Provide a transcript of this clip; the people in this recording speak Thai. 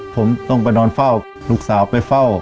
ผมต้องไปนอนเฝ้าลูกสาวไปเฝ้า